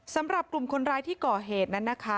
สำหรับกลุ่มคนร้ายที่ก่อเหตุนั้นนะคะ